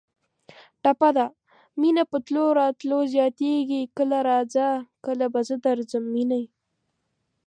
ټپه ده: مینه په تلو راتلو زیاتېږي کله راځه کله به زه درځم مینه